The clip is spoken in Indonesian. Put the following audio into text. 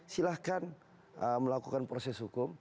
silahkan melakukan proses hukum